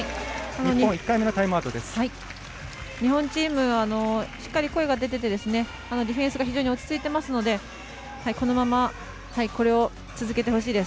日本チームしっかり声が出ていてディフェンスが非常に落ち着いてますので、このままこれを続けてほしいです。